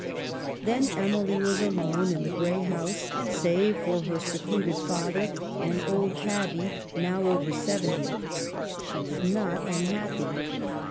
Then Emily was alone in the gray house, save for her secluded father and old Tabby, now over seventy. She was not unhappy.